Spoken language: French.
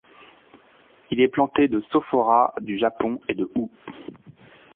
Il est planté de sophoras du Japon et de houx.